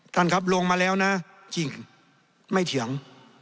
ท่านครับลงมาแล้วนะจริงไม่เถียง